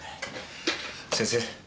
先生